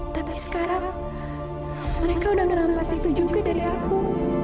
tapi sekarang mereka udah ngerampas itu juga dari aku